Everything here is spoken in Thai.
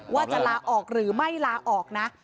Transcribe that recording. ว่าจะลาออกหรือไม่ลาออกนะ